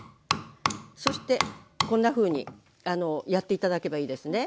そしてこんなふうにやって頂けばいいですね。